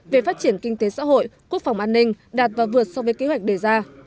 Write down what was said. về phát triển kinh tế xã hội quốc phòng an ninh đạt và vượt so với kế hoạch đề ra